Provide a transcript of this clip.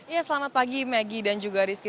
ya selamat pagi maggie dan juga rizky